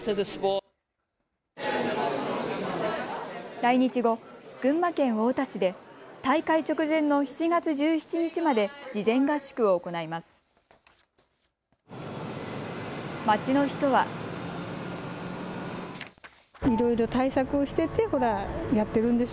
来日後、群馬県太田市で大会直前の７月１７日まで事前合宿を行います。